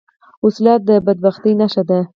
وسله د بدبختۍ نښه ده